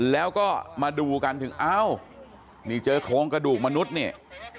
แล้วก็มาดูกันถึงอ้าวนี่เจอโครงกระดูกมนุษย์เนี่ย